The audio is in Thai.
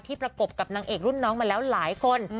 ประกบกับนางเอกรุ่นน้องมาแล้วหลายคน